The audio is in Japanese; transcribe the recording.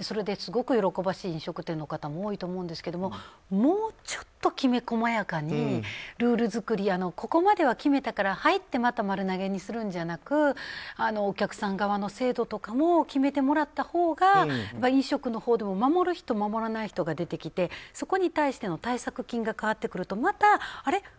それで喜ばしい飲食店の方も多いと思うんですけどもうちょっときめ細やかにルール作りやここまでは決めたから、はいってまた丸投げにするんじゃなくお客さん側の制度とかも決めてもらったほうが飲食のほうでも守る人、守らない人が出てきてそこに対しての対策金が変わってくるとあれ？